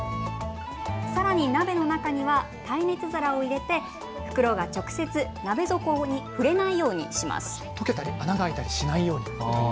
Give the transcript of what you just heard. さらに鍋の中には耐熱皿を入れて袋が直接、鍋底に触れないようにします。